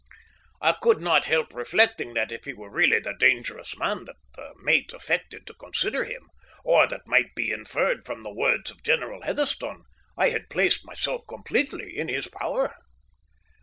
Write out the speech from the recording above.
I could not help reflecting that if he were really the dangerous man that the mate affected to consider him, or that might be inferred from the words of General Heatherstone, I had placed myself completely in his power.